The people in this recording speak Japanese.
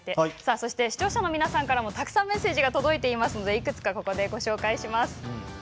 そして、視聴者の皆さんからもたくさんメッセージが届いていますのでいくつかご紹介します。